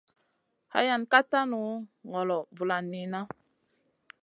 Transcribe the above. Hayan ka tan ŋolo vulan niyna.